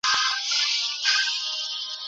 نوی شعر د قافیه محدودیت نلري.